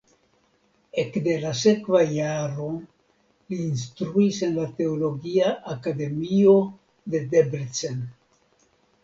Ekde la sekva jaro li instruis en la Teologia Akademio de Debrecen.